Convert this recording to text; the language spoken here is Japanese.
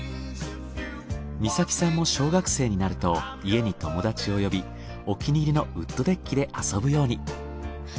実咲さんも小学生になると家に友達を呼びお気に入りのウッドデッキで遊ぶように。